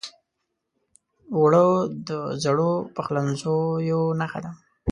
اوړه د زړو پخلنځیو نښه ده